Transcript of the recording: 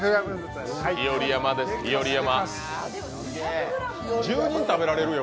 日和山です、日和山。